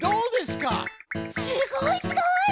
すごいすごい！